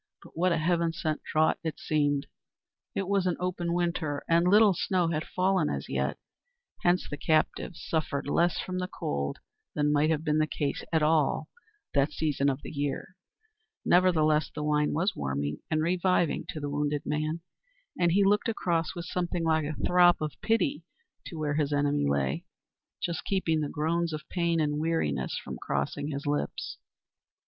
But what a Heaven sent draught it seemed! It was an open winter, and little snow had fallen as yet, hence the captives suffered less from the cold than might have been the case at that season of the year; nevertheless, the wine was warming and reviving to the wounded man, and he looked across with something like a throb of pity to where his enemy lay, just keeping the groans of pain and weariness from crossing his lips.